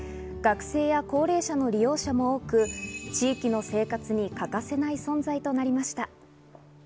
学生や高齢者の利用者も多く、地域の生活に欠かせない存在となりました。